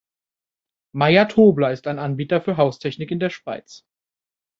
Meier Tobler ist ein Anbieter für Haustechnik in der Schweiz.